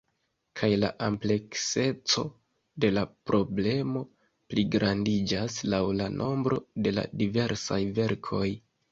Kaj la amplekseco de la problemo pligrandiĝas laŭ la nombro de la diversaj verkoj.